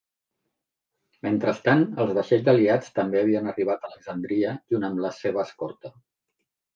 Mentrestant, els vaixells aliats també havien arribat a Alexandria junt amb la seva escorta.